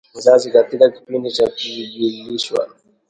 Mzazi katika kipindi cha Kujulishwa